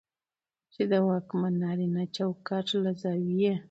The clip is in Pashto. چې د واکمن نارينه چوکاټ له زاويې